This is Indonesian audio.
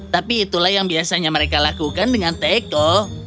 tapi itulah yang biasanya mereka lakukan dengan teko